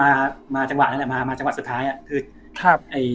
มามาจังหวะนั้นแหละมามาจังหวะสุดท้ายอ่ะคือครับไอ้